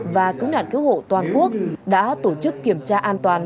và cứng đàn cứu hộ toàn quốc đã tổ chức kiểm tra an toàn